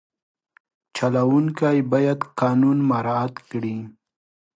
چلوونکی باید قانون مراعت کړي.